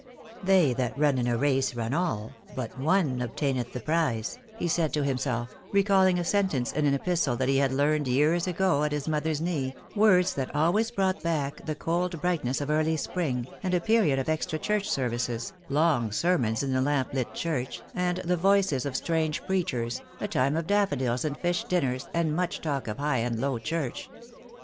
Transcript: "They that run in a race run all, but one obtaineth the prize," he said to himself, recalling a sentence in an epistle that he had learned years ago at his mother's knee, words that always brought back the cold brightness of early spring, and a period of extra church services, long sermons in the lamp lit church, and the voices of strange preachers, a time of daffodils and fish dinners, and much talk of High and Low Church.